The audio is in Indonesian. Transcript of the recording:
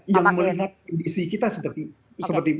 yang melihat kondisi kita seperti